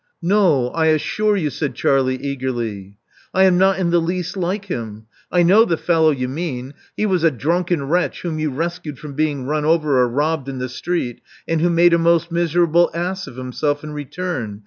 No, I assure you," said Charlie eagerly. I am not in the least like him. I know the fellow you mean : he was a drunken wretch whom you rescued from being run over or robbed in the street, and who made a most miserable ass of himself in return.